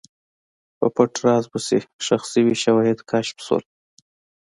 په پټ راز پسې، ښخ شوي شواهد کشف شول.